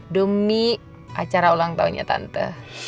demi acara ulang tahunnya tante